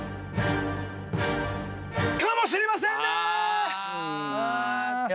かもしれませんね！